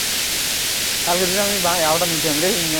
বাবা হিসেবে মেয়েকে বিয়ে দেওয়া তার দায়িত্ব, তাই-না?